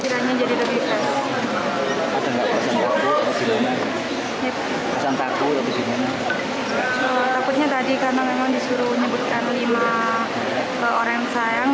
takutnya tadi karena memang disuruh nyebutkan lima orang yang sayang